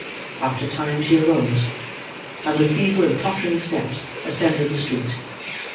After a time she arose, and with feeble and tottering steps ascended the street.